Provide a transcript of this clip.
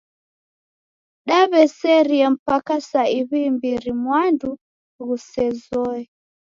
Daw'eserie mpaka saa iw'i imbiri mwandu ghusezoe.